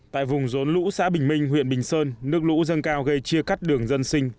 tại vùng rốn lũ xã bình minh huyện bình sơn nước lũ dâng cao gây chia cắt đường dân sinh